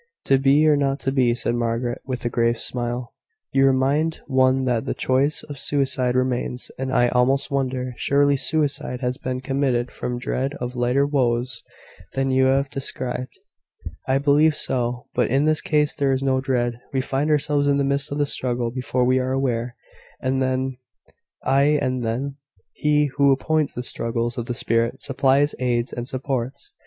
"`To be or not to be,'" said Margaret, with a grave smile. "You remind one that the choice of suicide remains: and I almost wonder Surely suicide has been committed from dread of lighter woes than you have described." "I believe so: but in this case there is no dread. We find ourselves in the midst of the struggle before we are aware. And then " "Ay, and then " "He, who appoints the struggles of the spirit, supplies aids and supports.